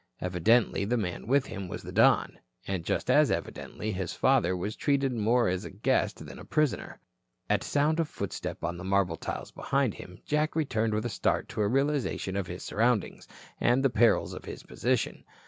Evidently the man with him was the Don. And as evidently his father was treated more as guest than prisoner. At sound of a footstep on the marble tiles behind him, Jack returned with a start to a realization of his surroundings and the perils of his position.